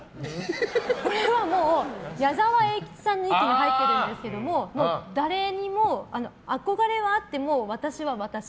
これはもう矢沢永吉さんが入ってるんですけど誰にも憧れはあっても私は私。